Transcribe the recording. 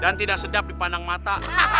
dan tidak sedap dipandang mata